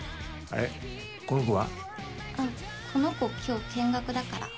あっこの子今日見学だから。